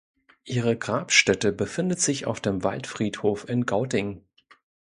Ihre Grabstätte befindet sich auf dem Waldfriedhof in Gauting.